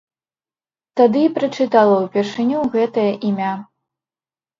Тады і прачытала ўпершыню гэтае імя.